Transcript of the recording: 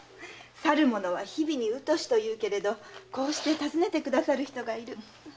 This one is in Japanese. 「去る者は日々に疎し」というけれどこうして訪ねてくださる人がいる。